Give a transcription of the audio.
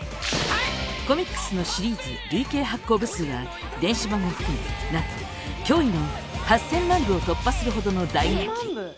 コミックスのシリーズ累計発行部数は電子版を含めなんと驚異の８０００万部を突破するほどの大人気！